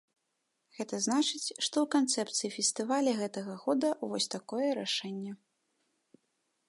Гэта значыць, што ў канцэпцыі фестываля гэтага года вось такое рашэнне.